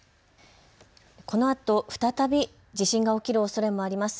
このあと再び地震が起きるおそれもあります。